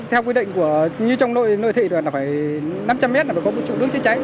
theo quy định như trong nội thị là phải năm trăm linh mét là phải có một trụ nước chữa cháy